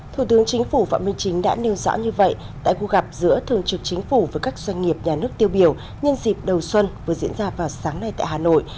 thủ tướng chính phủ phạm minh chính đã nêu rõ như vậy tại khu gặp giữa thường trực chính phủ với các doanh nghiệp nhà nước tiêu biểu nhân dịp đầu xuân vừa diễn ra vào sáng nay tại hà nội